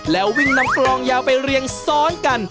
แล้ววิ่งนำกลองยาวไปเรียงซ้อนกัน